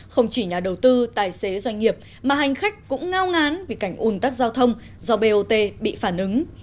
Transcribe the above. không chỉ nhà đầu tư tài xế doanh nghiệp mà hành khách cũng ngao ngán vì cảnh un tắc giao thông do bot bị phản ứng